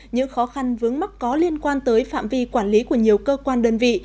những khó khăn vướng mắc có liên quan tới phạm vi quản lý của nhiều cơ quan đơn vị